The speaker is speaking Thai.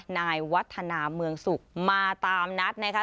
นายวัฒนาเมืองสุขมาตามนัดนะคะ